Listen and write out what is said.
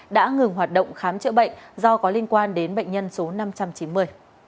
đã ngừng hoạt động khám chữa bệnh do có liên quan đến bệnh nhân số năm trăm chín mươi